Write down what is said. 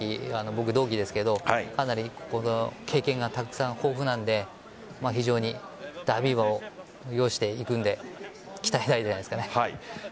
僕、同期ですけどかなり経験がたくさんで豊富なので非常にダービー馬を擁していくので期待大ですね。